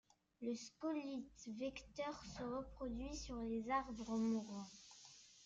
Le scolyte vecteur se reproduit sur les arbres mourants.